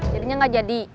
jadinya gak jadi